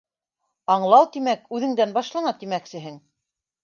Аңлау, тимәк, үҙеңдән башлана, тимәксеһең?